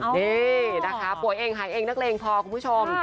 นี่นะคะป่วยเองหายเองนักเลงพอคุณผู้ชม